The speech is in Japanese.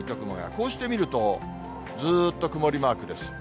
こうして見ると、ずっと曇りマークです。